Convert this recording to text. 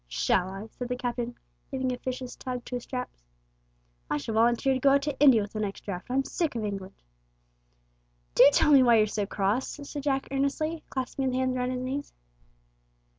"Shall I?" said the Captain, giving a vicious tug to his straps. "I shall volunteer to go out to India with the next draft; I'm sick of England." "Do tell me why you're so cross," said Jack earnestly, clasping his hands round his knees.